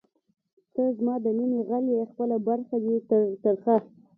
ته زما د نیمې غل ئې خپله برخه دی تر ترخه